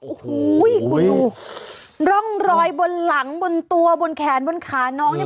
โอ้โหคุณดูร่องรอยบนหลังบนตัวบนแขนบนขาน้องเนี่ย